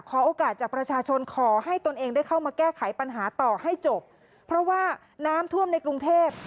โอกาสจากประชาชนขอให้ตนเองได้เข้ามาแก้ไขปัญหาต่อให้จบเพราะว่าน้ำท่วมในกรุงเทพ